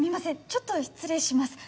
ちょっと失礼します。